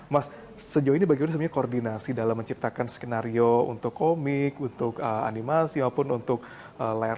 mas sejauh ini bagaimana sebenarnya koordinasi dalam menciptakan skenario untuk komik untuk animasi maupun untuk layar